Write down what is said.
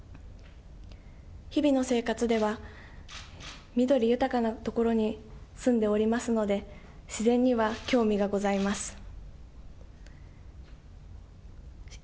日々の生活では、緑豊かな所に住んでおりますので、自然には興味がございます。